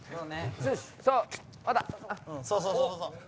そうそう、そうそうそう。